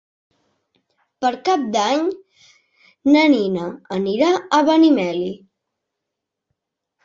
Per Cap d'Any na Nina anirà a Benimeli.